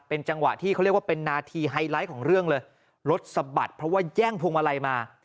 เป็นนาทีไฮไลท์ของเรื่องเลย